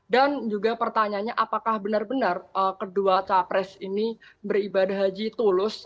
dan juga pertanyaannya apakah benar benar kedua capres ini beribadah haji tulus